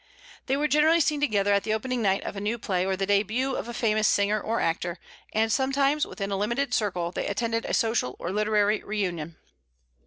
They were generally seen together at the opening night of a new play or the début of a famous singer or actor, and sometimes, within a limited circle, they attended a social or literary reunion.